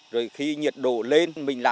rồi khi nhiệt độ lên